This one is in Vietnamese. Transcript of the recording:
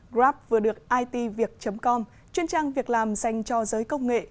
grab vừa được itviet com chuyên trang việc làm dành cho giới công nghệ